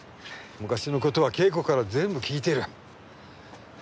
昔の事は啓子から全部聞いている。